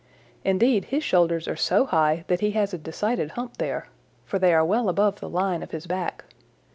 Indeed, his shoulders are so high that he has a decided hump there, for they are well above the line of his back.